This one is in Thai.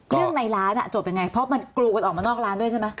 ในร้านจบยังไงเพราะมันกรูกันออกมานอกร้านด้วยใช่ไหม